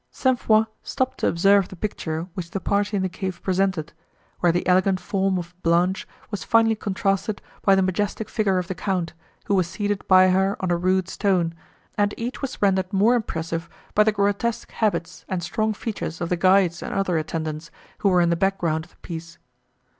St. Foix stopped to observe the picture, which the party in the cave presented, where the elegant form of Blanche was finely contrasted by the majestic figure of the Count, who was seated by her on a rude stone, and each was rendered more impressive by the grotesque habits and strong features of the guides and other attendants, who were in the back ground of the piece.